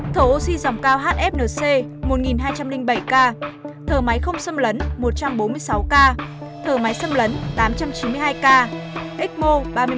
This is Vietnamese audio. thở oxy dòng cao hfnc một hai trăm linh bảy ca thở máy không xâm lấn một trăm bốn mươi sáu ca thở máy xâm lấn tám trăm chín mươi hai ca ecmo ba mươi bảy